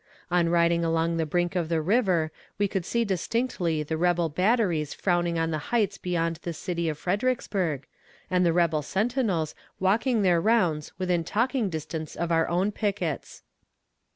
On riding along the brink of the river we could see distinctly the rebel batteries frowning on the heights beyond the city of Fredericksburg, and the rebel sentinels walking their rounds within talking distance of our own pickets.